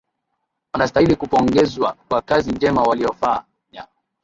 Wanastahili kupongezwa kwa kazi njema waliofaya.